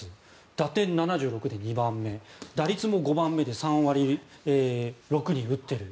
打点７６で２番目、打率も５番目で３割６厘打っている。